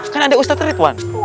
kan ada ustadz ridwan